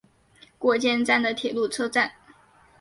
国见站的铁路车站。